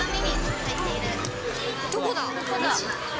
どこだ？